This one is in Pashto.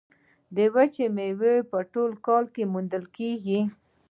وچې میوې په ټول کال کې موندل کیږي.